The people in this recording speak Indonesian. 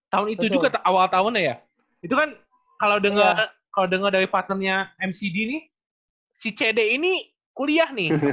tahun itu juga awal tahunnya ya itu kan kalau dengar dari partnernya mcd nih si cd ini kuliah nih